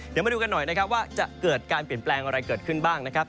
เดี๋ยวมาดูกันหน่อยนะครับว่าจะเกิดการเปลี่ยนแปลงอะไรเกิดขึ้นบ้างนะครับ